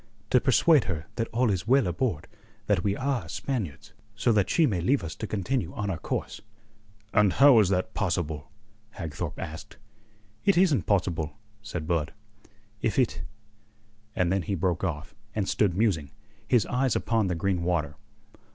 To persuade her that all is well aboard, that we are Spaniards, so that she may leave us to continue on our course." "And how is that possible?" Hagthorpe asked. "It isn't possible," said Blood. "If it...." And then he broke off, and stood musing, his eyes upon the green water.